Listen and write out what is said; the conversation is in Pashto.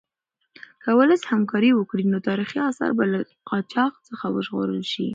که ولس همکاري وکړي نو تاریخي اثار به له قاچاق څخه وژغورل شي.